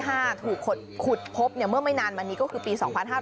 ถูกขุดพบเมื่อไม่นานมานี้ก็คือปี๒๕๕๙